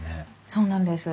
そうなんです。